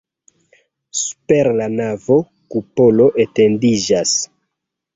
Super la navo kupolo etendiĝas.